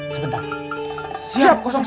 wah salah tapi gua diluar terus